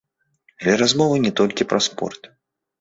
Але размова не толькі пра спорт.